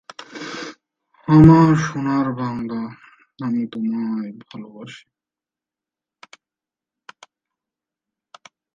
সেখানে অনুষ্ঠিত দুইটি টেস্টেই তারা জয়লাভ করে।